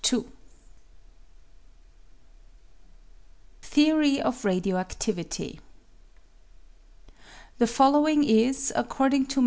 (continued). Theory of Radio activity. The following is, according to MM.